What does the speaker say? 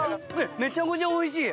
めちゃくちゃおいしい。